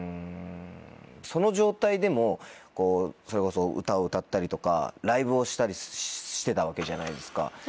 その状態でもこうそれこそ歌を歌ったりとかライブをしたりしてたわけじゃないですか。